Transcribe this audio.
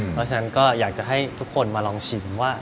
เพราะฉะนั้นก็อยากจะให้ทุกคนมาลองชิมว่า